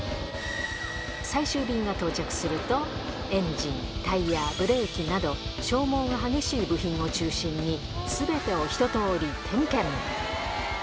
最終便が到着すると、エンジン、タイヤ、ブレーキなど、消耗が激しい部品を中心に、すべてを一とおり点検。